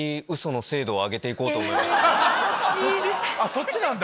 そっちなんだ。